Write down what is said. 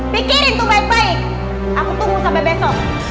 pikirin tuh baik baik aku tunggu sampai besok